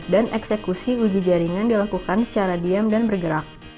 dan eksekusi uji jaringan dilakukan secara diam dan bergerak